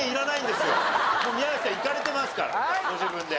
もう宮崎さんいかれてますからご自分で。